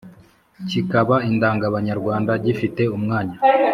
kikaba indangabanyarwanda, gifite umwanya